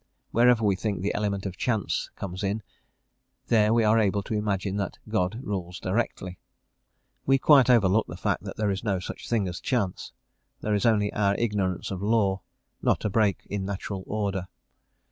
Wherever we think the element of chance comes in, there we are able to imagine that God rules directly. We quite overlook the fact that there is no such thing as chance. There is only our ignorance of law, not a break in natural order.